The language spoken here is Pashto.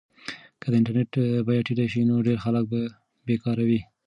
که د انټرنیټ بیه ټیټه شي نو ډېر خلک به یې کاروي.